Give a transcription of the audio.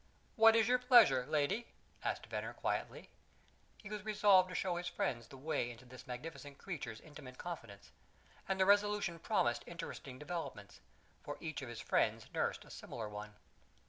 "What is your pleasure, lady?" asked Venner quietly. He was resolved to show his friends the way into this magnificent creature's intimate confidence; and the resolution promised interesting developments, for each of his friends nursed a similar one.